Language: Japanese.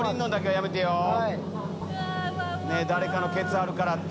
誰かのケツあるからって。